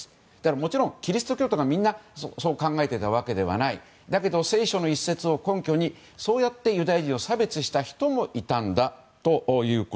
もちろん、キリスト教徒がみんなそう考えていたわけではないですがだけど聖書の一節を根拠にそうやってユダヤ人を差別していた人もいたんだと。